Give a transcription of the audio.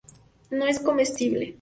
No es comestible.